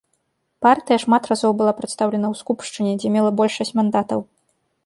Партыя шмат разоў была прадстаўлена ў скупшчыне, дзе мела большасць мандатаў.